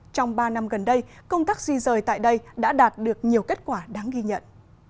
trong ba năm gần đây công tác di rời tại đây đã đạt được nhiều kết quả đáng ghi nhận